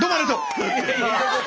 いやいや。